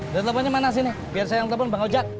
telponnya mana sih nih biar saya yang telpon bang hojak